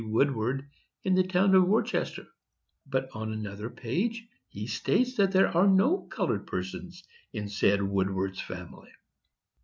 Woodward, in the town of Worcester; but on another page he states that there are no colored persons in said Woodward's family.